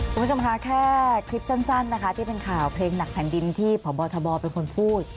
คุณผู้ชมคะแค่คลิปสั้นนะคะที่เป็นข่าวเพลงหนักแผ่นดินที่พบทบเป็นคนพูด